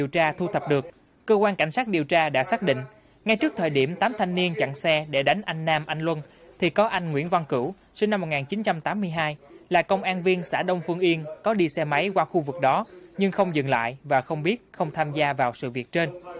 trong thời điểm tám thanh niên chặn xe để đánh anh nam anh luân thì có anh nguyễn văn cửu sinh năm một nghìn chín trăm tám mươi hai là công an viên xã đông phương yên có đi xe máy qua khu vực đó nhưng không dừng lại và không biết không tham gia vào sự việc trên